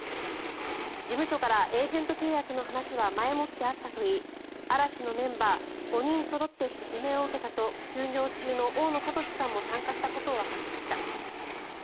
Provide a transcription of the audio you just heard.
事務所からエージェント契約の話は前もってあったといい嵐のメンバー５人そろって説明を受けたと休業中の大野智さんも参加したことを明かしました。